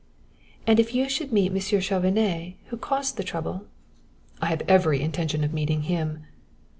"And if you should meet Monsieur Chauvenet, who caused the trouble " "I have every intention of meeting him!"